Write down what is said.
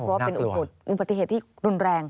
เพราะเป็นอุปถิเทศที่รุนแรง